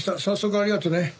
早速ありがとね。